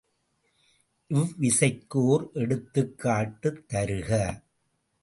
இவ்விசைக்கு ஒர் எடுத்துக்காட்டு தருக.